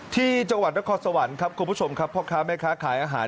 ที่จังหวัดนครสวรรค์ครับคุณผู้ชมครับพ่อค้าแม่ค้าขายอาหาร